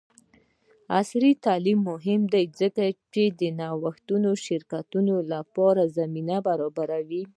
عصري تعلیم مهم دی ځکه چې د نوښتي شرکتونو لپاره زمینه برابروي.